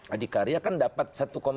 adik karya kan dapat satu enam